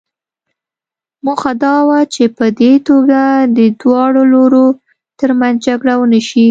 موخه دا وه چې په دې توګه د دواړو لورو ترمنځ جګړه ونه شي.